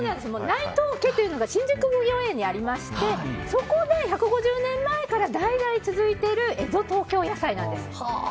内藤家というのが新宿にありまして１５０年前から代々続いている江戸東京野菜なんです。